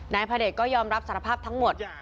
พระเดชก็ยอมรับสารภาพทั้งหมด